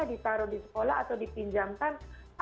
ditaruh di sekolah atau dipinjamkan